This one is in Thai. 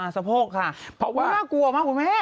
สะโพกค่ะน่ากลัวมากคุณแม่